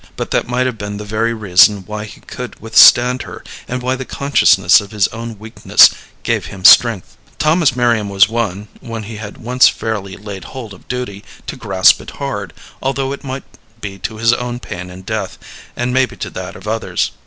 But that might have been the very reason why he could withstand her, and why the consciousness of his own weakness gave him strength. Thomas Merriam was one, when he had once fairly laid hold of duty, to grasp it hard, although it might be to his own pain and death, and maybe to that of others.